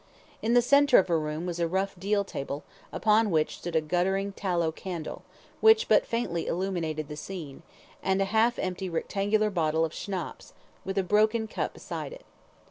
In the centre of the room was a rough deal table, upon which stood a guttering tallow candle, which but faintly illuminated the scene, and a half empty rectangular bottle of Schnapps, with a broken cup beside it.